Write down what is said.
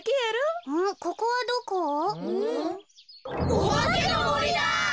おばけのもりだ！